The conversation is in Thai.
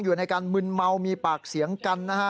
อยู่ในการมึนเมามีปากเสียงกันนะฮะ